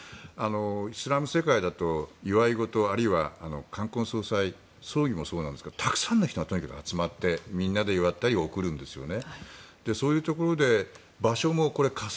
イスラム世界だと祝い事あるいは冠婚葬祭葬儀もそうなんですがたくさんの人がとにかく集まってみんなで祝ったり贈るんですよね。